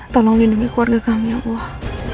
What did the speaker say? tolong lindungi keluarga kami ya allah